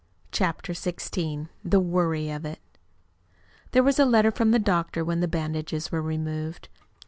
CHAPTER XVI THE WORRY OF IT There was a letter from the doctor when the bandages were removed.